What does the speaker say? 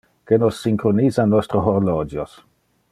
Que nos synchronisa nostre horologios.